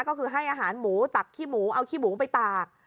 ก็คือให้อาหารหมูตักขี้หมูเอาขี้หมูไปตาก